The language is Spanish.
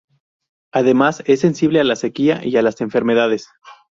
Además es sensible a la sequía y a las enfermedades.